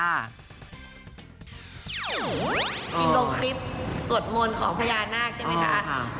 ลงคลิปสวดมนต์ของพญานาคใช่ไหมคะ